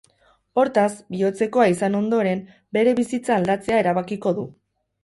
Hortaz, bihotzekoa izan ondoren, bere bizitza aldatzea erabakiko du.